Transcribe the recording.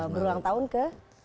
berulang tahun ke